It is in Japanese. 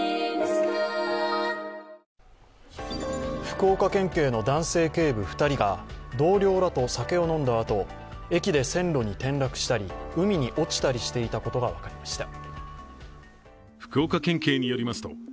福岡県警の男性警部２人が同僚らと酒を飲んだあと駅で線路に転落したり海に落ちたりしていたことが分かりました。